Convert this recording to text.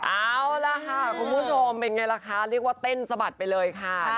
เอาล่ะค่ะคุณผู้ชมเป็นไงล่ะคะเรียกว่าเต้นสะบัดไปเลยค่ะ